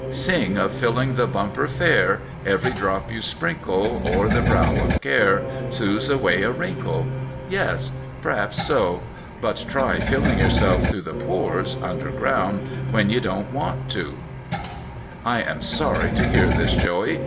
Sing of Filling the bumper fair. Every drop you sprinkle. O'er the brow of care. Smooths away a Avrinkle? Yes. P'raps so. But try filling yourself through the pores, underground, when you don't want to it !'' I am sorry to hear this, Joey.